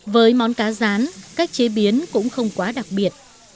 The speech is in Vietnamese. với món cá rán cách chế biến cũng không quá đặc biệt